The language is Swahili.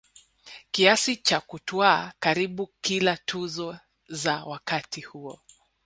kiasi cha kutwaa karibu kila tuzo za wakati huo